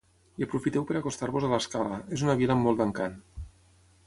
I aprofiteu per acostar-vos a l'Escala, és una vila amb molt d'encant.